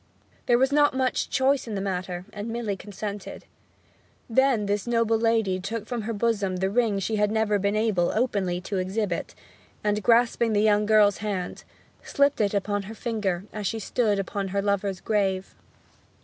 There was not much choice in the matter, and Milly consented. Then this noble lady took from her bosom the ring she had never been able openly to exhibit, and, grasping the young girl's hand, slipped it upon her finger as she stood upon her lover's grave.